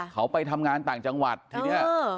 เขาไปทำงานต่างจังหวัดทีนี้